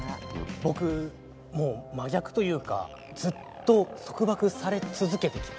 僕もう真逆というかずっと束縛され続けてきました。